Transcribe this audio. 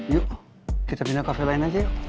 yuk kita pindah cafe lain aja yuk